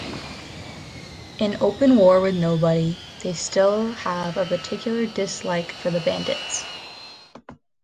In open war with nobody, they still have a particular dislike for the Bandits.